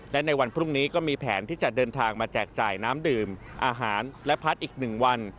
และในวันพรุ่งนี้ก็มีแผนที่จะเดินทางมาแจกจ่ายน้ำดื่มอาหารและพัดอีก๑วัน